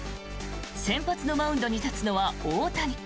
先発のマウンドに立つのは大谷。